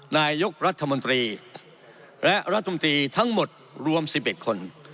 นายกรัฐมนตรีและรัฐมนตรีทั้งหมดรวม๑๑คน